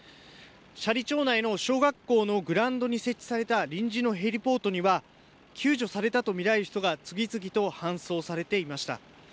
斜里町内の小学校のグラウンドに設置された臨時のヘリポートには救助されたと見られる人が次々と搬送されていました。